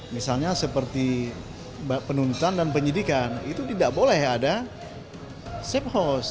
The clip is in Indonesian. misalnya seperti penuntutan dan penyidikan itu tidak boleh ada safe house